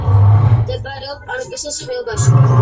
მდებარეობს პანკისის ხეობაში.